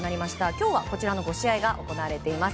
今日はこちらの５試合が行われています。